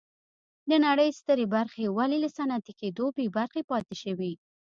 د نړۍ سترې برخې ولې له صنعتي کېدو بې برخې پاتې شوې.